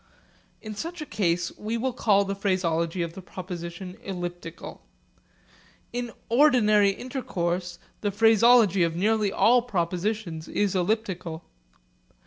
In such a case we will call the phraseology of the proposition elliptical. In ordinary intercourse the phraseology of nearly all propositions is elliptical.